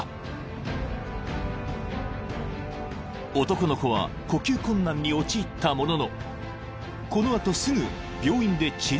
［男の子は呼吸困難に陥ったもののこの後すぐ病院で治療を受け回復した］